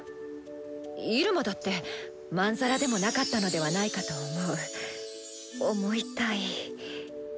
イルマだってまんざらでもなかったのではないかと思う思いたい。